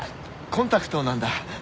コンタクトなんだ。